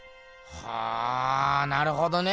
はあなるほどね。